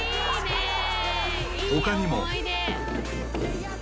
［他にも］